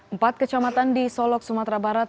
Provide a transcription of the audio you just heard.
empat kecamatan di solok sumatera barat